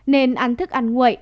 nên ăn thức ăn nguội